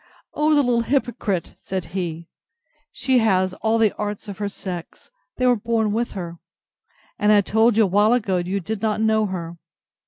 O the little hypocrite! said he; she has all the arts of her sex; they were born with her; and I told you awhile ago you did not know her.